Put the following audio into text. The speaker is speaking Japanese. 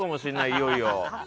いよいよ。